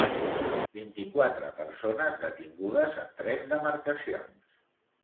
Vint-i-quatre persones detingudes en tres demarcacions.